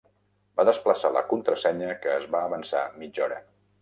Va desplaçar la "contrasenya", que es va avançar mitja hora.